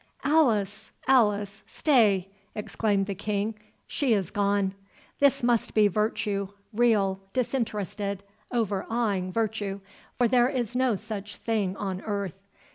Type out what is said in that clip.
"Alice, Alice—stay!" exclaimed the King. "She is gone.—This must be virtue—real, disinterested, overawing virtue—or there is no such thing on earth.